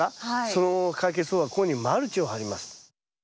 その解決方法はここにマルチを張ります。